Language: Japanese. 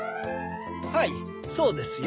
はいそうですよ。